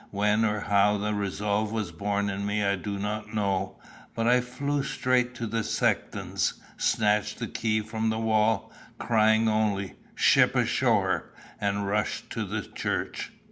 When or how the resolve was born in me I do not know, but I flew straight to the sexton's, snatched the key from the wall, crying only "ship ashore!" and rushed to the church.